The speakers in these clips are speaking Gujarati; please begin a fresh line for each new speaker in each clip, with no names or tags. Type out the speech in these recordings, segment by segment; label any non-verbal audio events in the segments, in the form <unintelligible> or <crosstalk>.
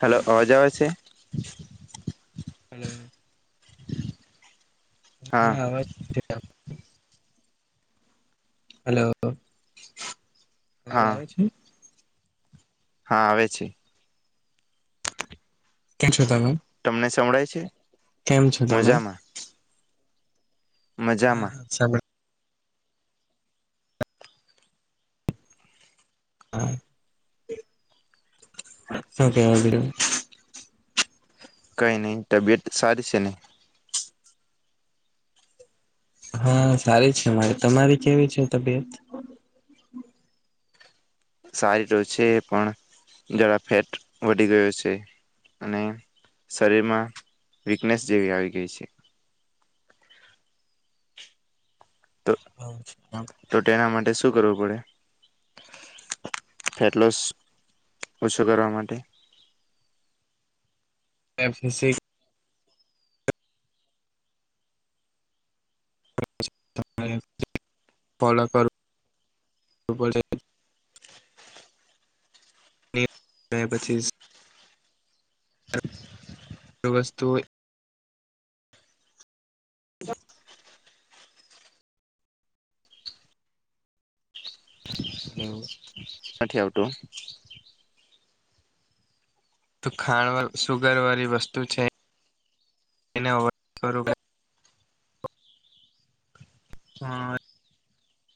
હાલો અવાજ આવે છે?
હમ હા આવ સ હલો અવાજ
હા
આવે છે?
હા આવે છે
ક્યાં છો તમે?
તમને સંભળાય છે
કેમ છો તમે?
મજામાં
હા
મજામાં
હા સંભાળ હા શું કે બીજુ
કઈ તબિયત સારી છેને?
હ સારી છે અમારી તમારી કેવી છે તબિયત?
સારી તો છે પણ જરા ફેટ વધી ગયો છે અને શરીરમાં વીકનેસ જેવી આવી ગઈ છે તો
હમ
તો તેના માટે શું કરવું પડે? ફેટ લોસ ઓછો કરવા માટે
એક્સરસાઇઝ ફોલો કર તો બે પચીસ વસ્તુ હોય હાલો હલો
અવાજ નથી આવતો
તો ખાંડ સુગર વાળી વસ્તુ છે એને ઓછી કરો હ...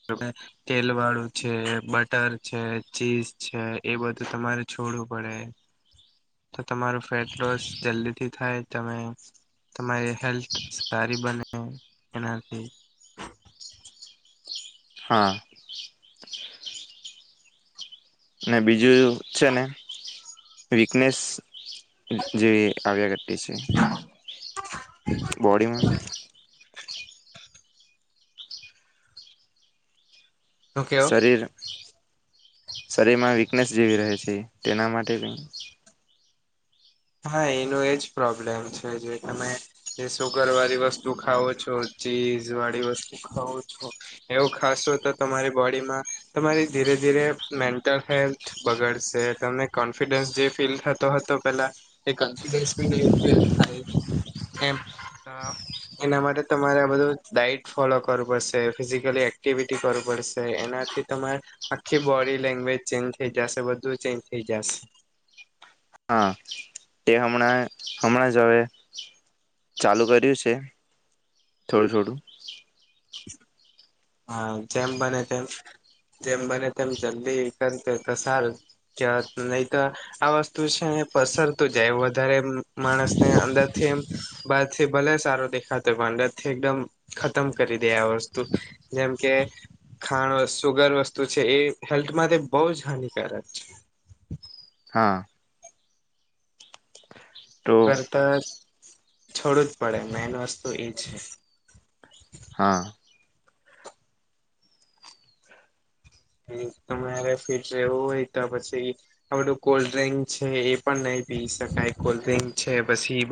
તમે તેલવાળું છે બટર છે ચીઝ છે એ બધું તમારે છોડવું પડે તો તમારું ફેટ લોસ જલ્દીથી થાય તમે તમારી હેલ્થ સારી બને એનાથી
હા અને બીજું જો છે ને વીકનેસ જેવી આવ્યા કરતી છે બોડીમાં
શું કેવો
શરીર શરીરમાં વીકનેસ જેવી રહે છે તેના માટે
હા એનો એજ પ્રોબ્લેમ છે જે તમે એ સુુગર વાળી વસ્તુ ખાવો છો ચીઝ વાળી વસ્તુ ખાવ છો. એવું ખાસો તો તમારી બોડીમાં તમારી ધીરે ધીરે મેન્ટલ હેલ્થ બગડશે તને કોન્ફિડન્સ જે ફીલ થતો હતો પેલા એ કોન્ફિડન્સ ફીલ નઈ થાય એમ અ એના માટે તમારે આ બધું ડાયટ ફોલો કરવું પડશે ફિઝિકલી એક્ટિવિટી કરવું પડશે. તો એનાથી તમારે આખી બોડી લેંગ્વેજ ચેન્જ થઈ જાશે બધું ચેન્જ થઈ જાશે
હા. તે હમણા હમણાં જ અવે ચાલુ કર્યું છે થોડું થોડું
હા જેમ બને તેમ જેમ બને તેમ જલ્દી કર તો સારું <unintelligible> નઈ તો આ વસ્તુ છે ને પસરતું જાય વધારે માણસને અંદરથી બારથી ભલે સારુ દેખાતુ હોય પણ અંદરથી એકદમ ખતમ કરી દે આ વસ્તુ જેમ કે ખાંણ વસ્ સુગર વસ્તુ છે એ હેલ્થ માટે બઉ જ હાનિકારક છે.
હા.
ગર તો છોડવુ જ પડે મેન વસ્તુ ઈ છે
હા.
મિન્સ તમારે ફિટ રહેવું હોય તો પછી આ બઢુ કોલ્ડ ડ્રિંક છે એ પણ નઈ પી શકાય કોલ્ડ ડ્રિંક છે પછી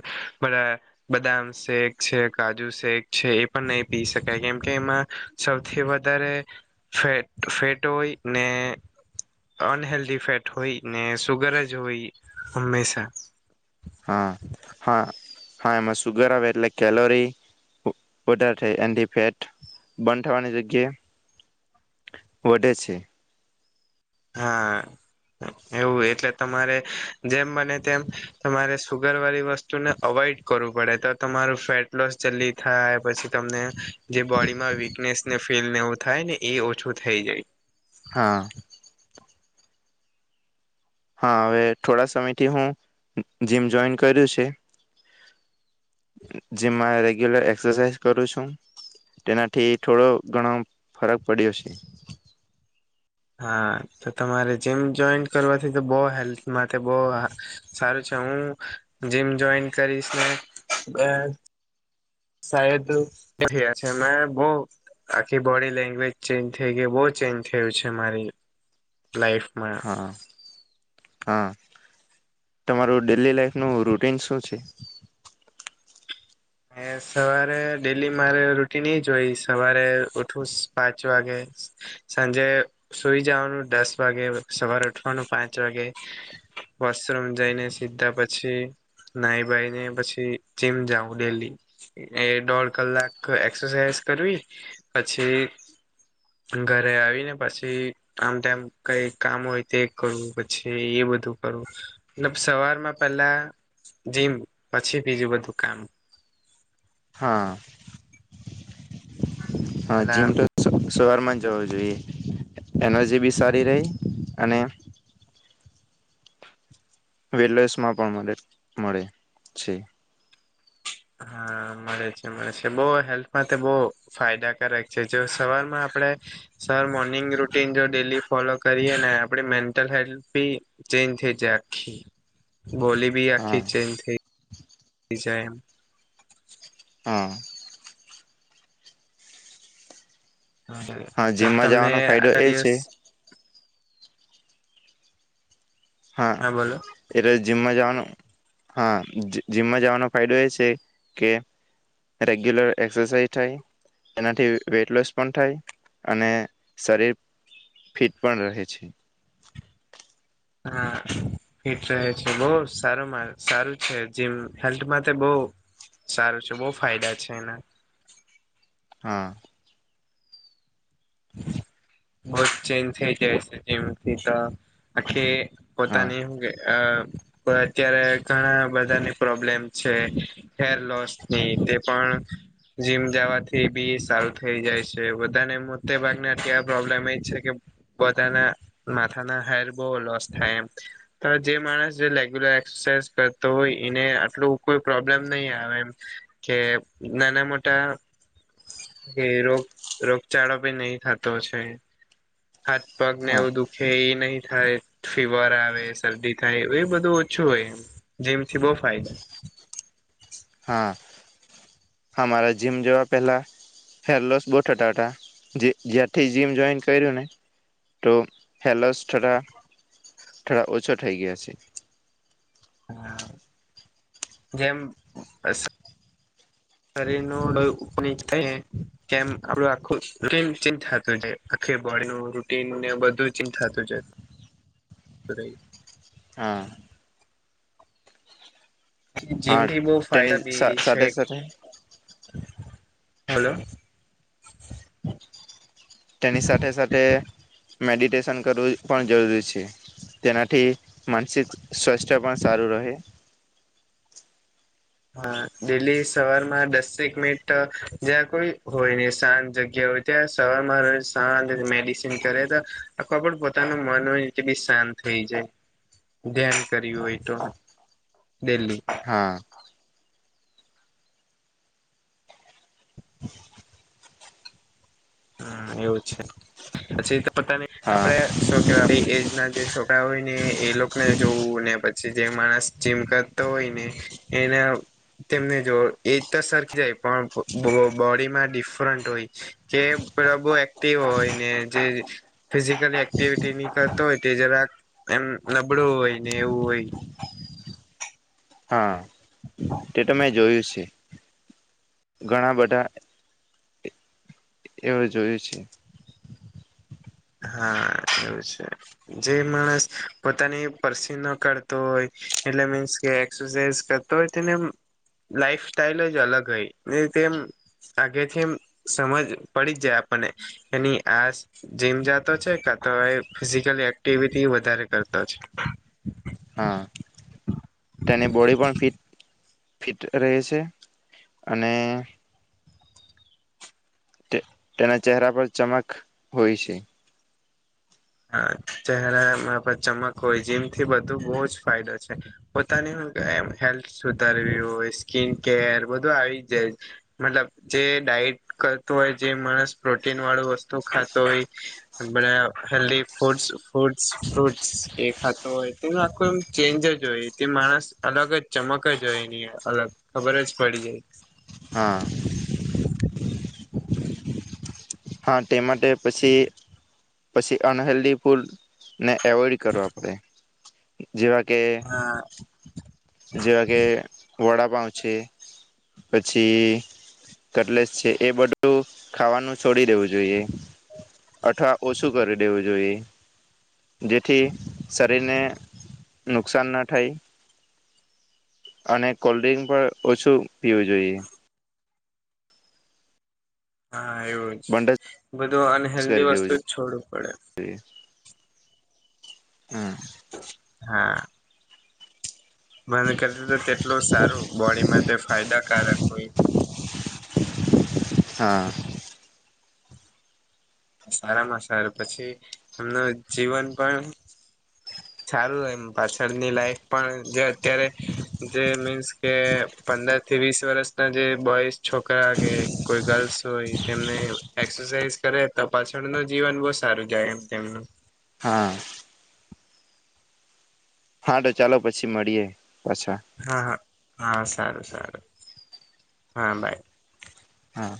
બઢા બદામ શેક છે કાજુ શેક છે એ પણ નઈ પી શકાય કેમ કે એમાં સૌથી વધારે ફેટ ફેટ હોય ને અનહેેલ્ધી ફેટ હોય ને સુગર જ હોય હંમેશા
હા હા હા એમાં સુગર આવે એટલે કેલરી વધાર થઈ એનથી ફેટ બંધ થવાની જગ્યા વઢે છે.
હાં. એવું એટલે તમારે જેમ બને તેમ તમારે સુુગર વારી વ સ્તુને અવોઈડ કરવું પડે તો તમારું ફેટ લોસ જલ્દી થાય પછી તમને જે બોડીમાં વીકનેસને ફીલને એવું થાય ને એ ઓછું થઈ જાય.
હા. હા અવે થોડા સમયથી હું જીમ જોઈન કર્યું છે. જીમમાં રેગ્યુલર એક્સરસાઇઝ કરું છું. તેનાઠી ઠોડો ઘણો ફરક પડ્યો છે.
હાં તો તમારે જીમ જોઈન કરવાથી તો બો હેલ્થ માટે બો સારું છે હું જીમ જોઈન કરીશ ને અ શાયદ <unintelligible> છે મેં બો આખી બોડી લેંગ્વેજ ચેન્જ થેઈ ગેઈ બો ચેન્જ થયું છે મારી લાઈફ
હા. હા તમારું ડેલી લાાઈફનું રૂટીન શું છે?
ને સવારે ડેલી મારે રૂટિન એ જ હોય સવારે ઉઠું પાંચ વાગે. સાંજે સુઈ જવાનું દસ વાગે સવારે ઉઠવાનું પાંચ વાગે. વૉશરૂમ જઈને સીધા પછી નાઈ બાાઈ ને પછી જીમ જાઉ. ડેલી એ દોઢ કલાક એક્સરસાઇઝ કરવી પછી ઘરે આવી ને પછી આમ તેમ કંઈ કામ હોય તે કરુ પછી એ બધું કરુ મતલબ સવારમાં પેલા જીમ પછી બીજું બધું કામ
હા હા
પેલા
જીમ તો સ સવારમાં જ જવું જોઈએ એનર્જી બી સારી રેય અને <unintelligible> માં પણ મલે મળે છે
હા મળે છે મળે છે બહું હેલ્થમાં બહું ફાયદાકારક છે જો સવારમાં આપણે સવાર મોર્નિંગ રૂટીન જો ડેલી ફોલો કરીએ ને આપડી મેન્ટલ હેલ્થ બી ચેન્જ થઈ જાય આખી બોલી બી
હા
આખી ચેન્જ થઈ થઈ જાય
હા.
હા
જીમમાં
તમને
જવાનો ફાયદો
આટલા
એ
દિવસ
છે હા. એટલે જીમમાં જવાનું હા જીમમાં જવાનો ફાયદો એ છે કે રેગ્યુલર એક્સરસાઈઝ થાય તેનાથી વેઇટ લોસ પણ થાય અને શરીર ફિટ પણ રહે છે.
હા
<inaudible>
ફિટ રહે છે બહું સારો માં સારું છે જીમ હેલ્થમાં તો બહું સારું છે બહુ ફાયદા છે એના
હા.
બહું જ ચેન્જ થઈ જાય છે જીમથી તો આખી
હા
પોતાની સુ કે પણ અત્યારે ઘણા બધાની પ્રોબ્લેમ છે. હેર લોસ ની તે પણ જીમ જવાથી બી સારું થઈ જાય છે બધાને એમાં મોટે ભાગ ને ત્યાં પ્રોબ્લેમ એ જ છે કે બધાંના માથાના હેર બહું લોસ થાય એમ છે. પણ જે માણસ જે રેગ્યુલર એક્સરસાઇઝ કરતો હોય એને આટલું કોઈ પ્રોબ્લેમ નહીં આવે એમ કે નાના મોટા કે રોગ રોગચાળો બી નહી થતો છે હાથ પગ ને
હા
એવું દુખ છે એ નહી થાય ફીવર આવે શરદી થાય એ બધું ઓછું હોય એમ જીમથી બહુ ફાયદા
હા હા મારા જીમ જેવા પહેલાં હેરલોસ બઉ થતા હતા જે જ્યારથી જીમ જોઈન કર્યું ને તો હેર લોસ થતાં થોડા ઓછા થઈ ગયા છે.
હા જેમ અ શરીરનું લોહી ઉપ નીચ થઈ ને કેમ આપડું આખું રૂટીન ચેન્જ થતું જાય આખી બોડી નું રૂટીનને બધું ચેન્જ થતું જાય.
<inaudible>
અરે
હા. હા
જીમથી બહું
તેની
ફાયદા બી છે
સાથે સાથે
હલો.
તેની સાથે સાથે મેડિટેશન કરવું પણ જરૂરી છે. તેનાથી માનસિક સ્વાસ્થ્ય પણ સારું રહે
હા ડેઇલી સવાર માં દસેક મિનિટ તો જ્યાં કોઈ હોય ને શાંત જગ્યા હોય ત્યાં સવારમાં રજ શાંત ને મેડિસીન કર્યા તો ખબર પણ પોતાનું મન હોય બી શાંત થઈ જાય ધ્યાન કર્યું હોય તો ડેલ્હી
હા <inaudible>
હમ્મ એવું છે પછી તો પોતાની
હા
આપડે શું કેવાય આપડી એજ ના જે છોકરા હોય ને એ લોકો ને જોવું ને પછી જે માણસ જીમ કરતો હોય ને એના તેમને જો એજ તો <unintelligible> હોય પણ બ બો બોડીમાં ડિફરન્ટ હોય. જેમ પ્રભુ એક્ટિવ હોય ને જે <inaudible> ફિઝિકલ એક્ટિવિટી ની કરતો હોય તે જરાક- એમ નબળું હોય, ને એવું હોય.
હા, તે તો મેં જોયું છે. ઘણા બધા, એવું જોયું છે.
હા એવું છે. જે માણસ પોતાની પરસીવ ન કરાતો હોય, - એટલે મીન્સ કે, એક્સરસાઈઝ કરતો હોય તેને એમ- લાઈફ સ્ટાઈલ જ અલગ હોય. ને તેમ- આઘેથી એમ સમજ પડી જાય. આપણને એની આસ- જીમ જાતો છે, કા તો એ ફિઝિકલ એક્ટિવિટી વધારે કરતો છે.
હા. તેની બોડી પણ ફિટ ફિટ રહે છે, અને- -તે તેના ચહેરા પર ચમક હોય છે.
હા ચહેરામાં ચમક હોય, જીમથી બધું બહુ જ ફાયદો છે. પોતાની હ એમ હેલ્થ સુધારવી હોય, સ્કીિન કેર બધું આવી જાય. મતલબ, જે ડાયટ કરતો હોય, જે માણસ પ્રોટીન વાળું વસ્તુ ખાતો હોય- હગબળા <unintelligible> હેલ્ધી ફૂડસ ફૂડસ ફ્રુટસ એ ખાતો હોય, તેનું આખુ એમ ચેન્જ જ હોય, તે માણસ- અલગ જ, ચમક જ હોય એની, અલગ ખબર જ પડી જાય.
હ હા તે માટે પછી, પછી અનહેેલ્ધી ફૂડ ને- એવોઈડ કરવા પડે. જેવા કે-
હા
-જેવા કે વડાપાઉ છે. પછી કટલેસ છે, એ બધું ખાવાનું- -છોડી દેવું જોઈએ. અથવા ઓછું કરી દેવું જોઈએ. જેથી શરીરને નુકસાન ના થાય, - -અને કોલ્ડ્રિંક પણ ઓછું પીવું જોઈએ.
હા, એવું જ,
બંધ
બધું અનહેેલ્ધી વસ્તુ છોડવું પડે.
એજ હમ
હા બંધ કરીદે તો, તેટલું સારું બોડી માટે ફાયદાકારક હોય.
હા
સારામાં સારું, પછી, એમનું જીવન પણ- સારું, એમ, પાછળની લાઈફ પણ જે અત્યારે- જે મીન્સ કે, પંદર થી વીસ વર્ષ ના જે બોઈસ છોકરા કે- -કોઈ ગર્લ્સ હોય, તેમને એક્સરસાઈઝ કરે તો પાછળ નુ જીવન બહુ સારું જાય એમ તેમનું.
હા હા, તો ચાલો, પછી મળીએે પાછા.
હા હા, હા સારું સારું, હા બાય.
હા